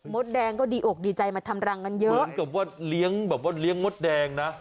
แดงก็ดีอกดีใจมาทำรังกันเยอะเหมือนกับว่าเลี้ยงแบบว่าเลี้ยงมดแดงนะ